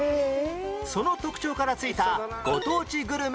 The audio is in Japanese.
その特徴から付いたご当地グルメの名前は？